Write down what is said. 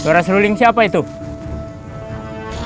kami tidak punya orang yang bisa membantu kita